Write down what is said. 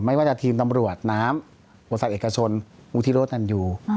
ไม่ว่าจะทีมตำรวจน้ำบริษัทเอกชนวุฒิโรธอันยู